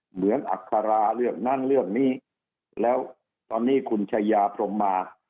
เหมือนอัคราเรื่องนั้นเรื่องนี้แล้วตอนนี้คุณชายาพรมมา